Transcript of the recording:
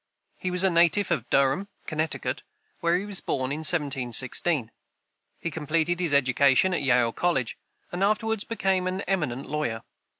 He was a native of Durham, Connecticut, where he was born in 1716. He completed his education at Yale college, and afterward became an eminent lawyer.